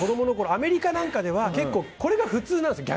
アメリカなんかではこれが普通なんですよ。